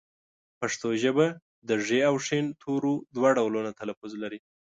پښتو ژبه د ږ او ښ تورو دوه ډولونه تلفظ لري